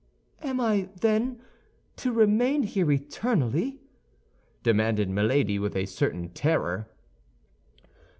"Am I, then, to remain here eternally?" demanded Milady, with a certain terror.